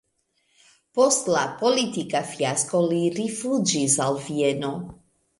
Post la politika fiasko li rifuĝis al Vieno.